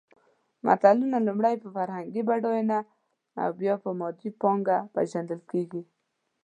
ملتونه لومړی په فرهنګي بډایېنه او بیا په مادي پانګه پېژندل کېږي.